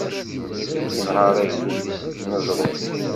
Inher agdud-is deg uneẓruf.